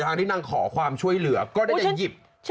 ตลาดางที่ขอความช่วยเหลือก็จะได้หยิบ